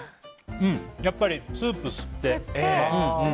うん、やっぱりスープ吸って。